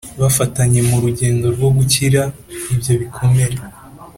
bafatanye mu rugendo rwo gukira ibyo bikomere.